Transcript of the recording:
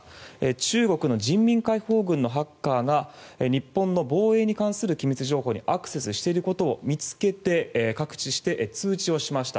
中国の人民解放軍のハッカーが日本の防衛に関する機密情報にアクセスしていることを見つけて覚知して通知しました。